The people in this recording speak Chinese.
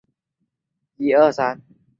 楚军用楚国方言说了一会就退出去了。